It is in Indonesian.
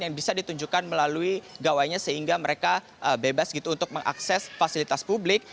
yang bisa ditunjukkan melalui gawainya sehingga mereka bebas gitu untuk mengakses fasilitas publik